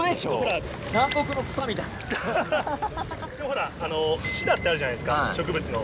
ほらシダってあるじゃないですか植物の。